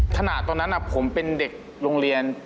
ขณะตอนนั้นผมเป็นเด็กโรงเรียน